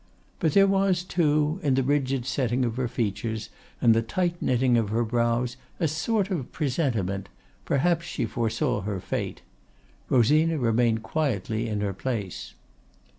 But there was, too, in the rigid setting of her features and the tight knitting of her brows a sort of presentiment; perhaps she foresaw her fate. Rosina remained quietly in her place.